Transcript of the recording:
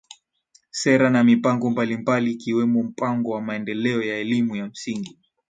Sera na mipango mbalimbali ikiwemo mpango wa maendeleo ya elimu ya msingi